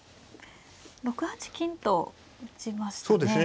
６八金と打ちましたね。